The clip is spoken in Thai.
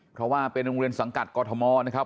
เพราะว่าเป็นโรงเรียนสังกัดกรทมนะครับ